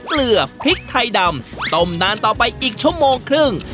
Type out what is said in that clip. เกลือพริกไทยดำต้มนานต่อไปอีกชั่วโมงครึ่ง